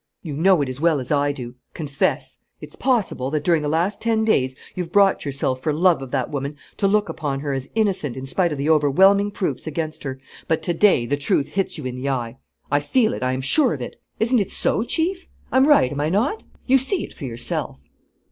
"You know it as well as I do. Confess! It's possible that, during the last ten days, you've brought yourself, for love of that woman, to look upon her as innocent in spite of the overwhelming proofs against her. But to day the truth hits you in the eye. I feel it, I'm sure of it. Isn't it so, Chief? I'm right, am I not? You see it for yourself?"